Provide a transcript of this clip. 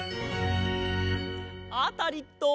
アタリット！